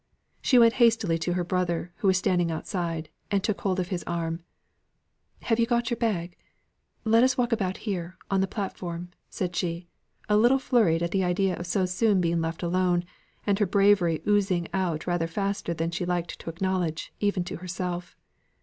She went hastily to her brother, who was standing outside, and took hold of his arm. "Have you got your bag? Let us walk about here on the platform," said she, a little flurried at the idea of so soon being left alone, and her bravery oozing out rather faster than she liked to acknowledge even to herself.